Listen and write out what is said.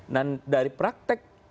dan dari praktek